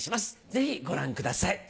ぜひご覧ください。